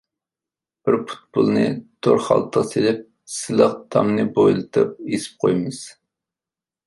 بىر پۇتبولنى تور خالتىغا سېلىپ سىلىق تامنى بويلىتىپ ئېسىپ قويىمىز.